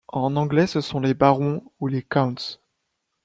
En anglais ce sont les Barons ou les Counts.